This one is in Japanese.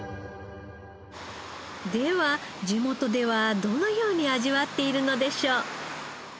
では地元ではどのように味わっているのでしょう？